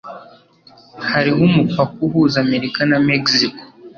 Hariho umupaka uhuza Amerika na Mexico.